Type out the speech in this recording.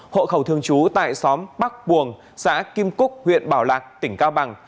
hộ khẩu thương chú tại xóm bắc buồng xã kim cúc huyện bảo lạc tỉnh cao bằng